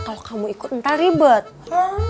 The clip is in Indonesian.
kalau kamu ikut entah ribet